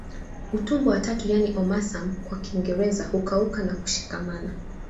Utumbo wa tatu yaani omasum kwa Kiingereza hukauka na kushikamana